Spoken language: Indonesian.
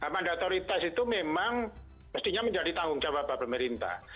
mandatory test itu memang mestinya menjadi tanggung jawab dari pemerintah